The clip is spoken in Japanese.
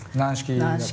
軟式。